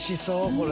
これ。